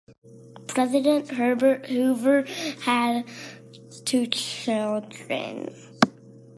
President Herbert Hoover had two children.